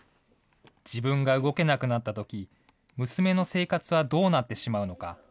自分が動けなくなったとき、娘の生活はどうなってしまうのか。